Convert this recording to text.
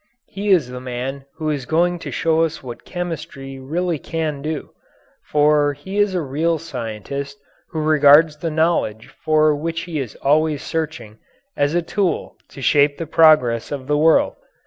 He is the man who is going to show us what chemistry really can do. For he is a real scientist who regards the knowledge for which he is always searching as a tool to shape the progress of the world.